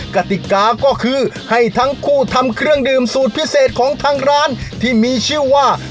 กติกาก็คือให้ทั้งคู่ทำเครื่องดื่มสูตรพิเศษของทางร้านที่มีชื่อว่า